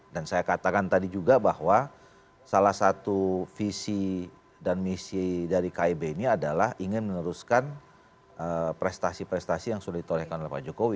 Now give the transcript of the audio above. dan saya katakan tadi juga bahwa salah satu visi dan misi dari kib ini adalah ingin meneruskan prestasi prestasi yang sudah ditolak oleh pak jokowi